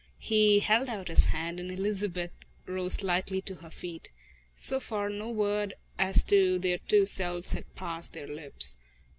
He held out his hand and Elizabeth rose lightly to her feet. So far, no word as to their two selves had passed their lips.